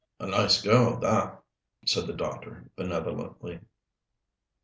"A nice girl, that," said the doctor benevolently.